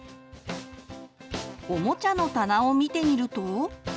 おもちゃの棚を見てみると。